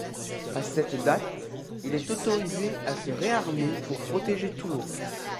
À cette date, il est autorisé à se réarmer pour protéger Toulon.